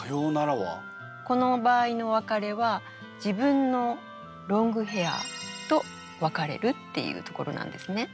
この場合のお別れは自分のロングヘアーと別れるっていうところなんですね。